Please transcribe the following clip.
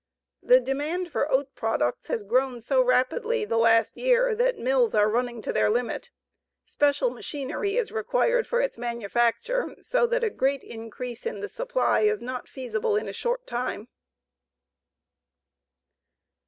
The demand for oat products has grown so rapidly the last year that mills are running to their limit. Special machinery is required for its manufacture, so that a great increase in the supply is not feasible in a short time.